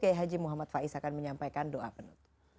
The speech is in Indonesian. kiai haji muhammad faiz akan menyampaikan doa penutup